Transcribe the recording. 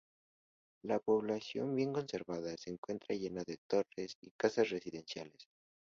La población, bien conservada, se encuentra llena de torres y casas residenciales.